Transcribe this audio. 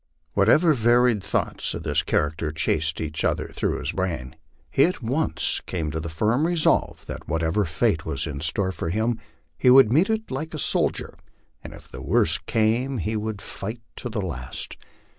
Whatever varied thoughts of this character chased each other through his brain, he at once came to the firm resolve that whatever fate was in store for him, he would meet it like a soldier, and if the worst came he would fight to the last.